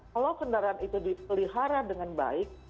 kalau kendaraan itu dipelihara dengan baik